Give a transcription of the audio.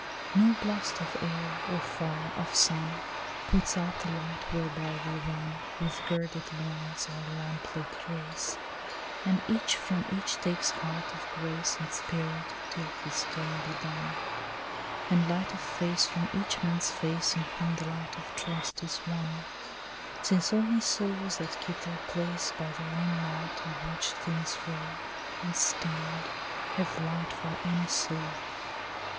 No blast of air or fire of sun Puts out the light whereby we run With girded loins our lamplit race, And each from each takes heart of grace And spirit till his turn be done, And light of face from each man's face In whom the light of trust is one; Since only souls that keep their place By their own light, and watch things roll, And stand, have light for any soul.